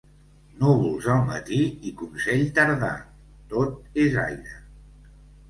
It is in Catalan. Núvols al matí i consell tardà, tot és aire.